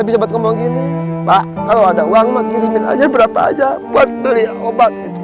pak kalau ada uang kirim aja berapa aja buat beli obat itu